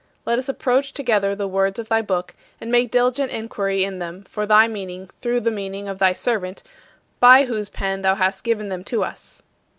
Let us approach together the words of thy book and make diligent inquiry in them for thy meaning through the meaning of thy servant by whose pen thou hast given them to us.